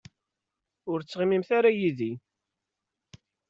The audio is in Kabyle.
Ur ttɣimimt ara yid-i.